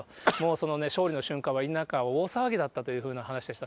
その勝利の瞬間は、家の中、大騒ぎだったという話でした。